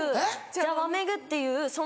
じゃわめぐっていうの？